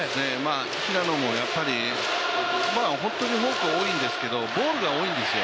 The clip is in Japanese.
平野も本当にフォークが多いんですけどボールが多いんですよ